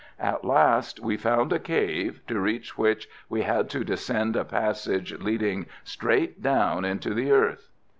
At last we found a cave, to reach which we had to descend a passage leading straight down into the earth."